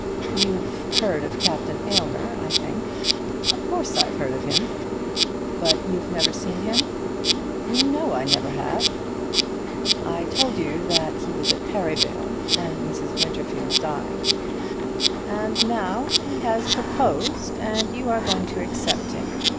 "You've heard of Captain Aylmer, I think." "Of course I've heard of him." "But you've never seen him?" "You know I never have." "I told you that he was at Perivale when Mrs. Winterfield died." "And now he has proposed, and you are going to accept him?